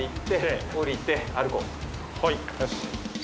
よし。